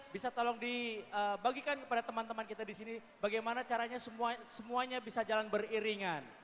bisa tolong dibagikan kepada teman teman kita di sini bagaimana caranya semuanya bisa jalan beriringan